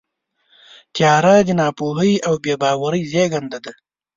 تیاره د ناپوهۍ او بېباورۍ زېږنده ده.